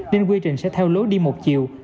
nên quy trình sẽ theo lối đi một chiều